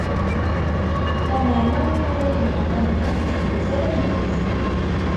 Lameɛna win ara yenɣen amdan, d lmut ara yemmet.